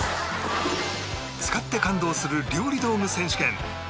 使って感動する料理道具選手権